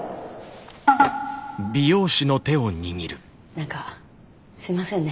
何かすいませんね